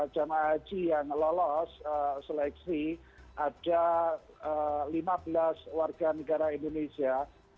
jemaah haji yang lolos seleksi ada lima belas warga negara indonesia